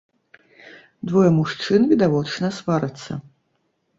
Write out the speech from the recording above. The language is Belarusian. Двое мужчын, відавочна, сварацца.